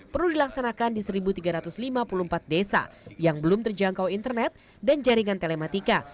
perlu dilaksanakan di satu tiga ratus lima puluh empat desa yang belum terjangkau internet dan jaringan telematika